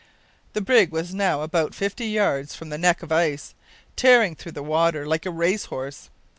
The brig was now about fifty yards from the neck of ice, tearing through the water like a race horse.